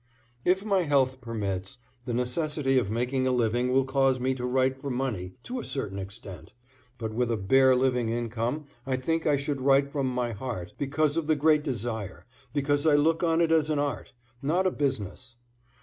If my health permits, the necessity of making a living will cause me to write for money to a certain extent, but with a bare living income I think I should write from my heart, because of the great desire, because I look on it as an art, not a business.